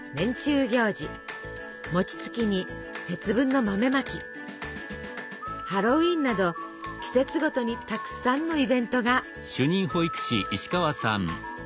餅つきに節分の豆まきハロウィーンなど季節ごとにたくさんのイベントが。